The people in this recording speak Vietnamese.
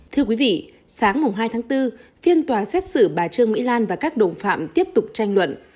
thưa quý vị sáng hai tháng bốn phiên tòa xét xử bà trương mỹ lan và các đồng phạm tiếp tục tranh luận